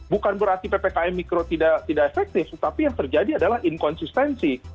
bukan berarti ppkm mikro tidak efektif tetapi yang terjadi adalah inkonsistensi